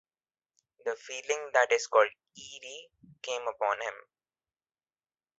The feeling that is called "eerie" came upon him.